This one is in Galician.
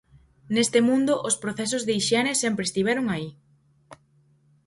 Neste mundo os procesos de hixiene sempre estiveron aí.